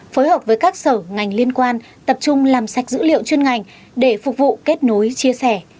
phối hợp với các sở ngành liên quan tập trung làm sạch dữ liệu chuyên ngành để phục vụ kết nối chia sẻ